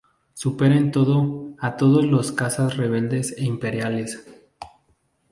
Supera en todo a todos los cazas rebeldes e imperiales.